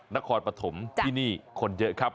นักคอร์ดประถมที่นี่คนเยอะครับ